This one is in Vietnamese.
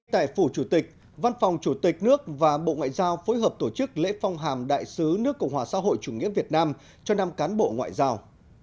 tại phủ chủ tịch văn phòng chủ tịch nước và bộ ngoại giao phối hợp tổ chức lễ phong hàm đại sứ nước cộng hòa xã hội chủ nghĩa việt nam cho năm cán bộ ngoại giao